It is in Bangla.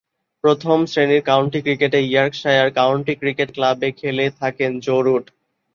প্রথম-শ্রেণীর কাউন্টি ক্রিকেটে ইয়র্কশায়ার কাউন্টি ক্রিকেট ক্লাবে খেলে থাকেন জো রুট।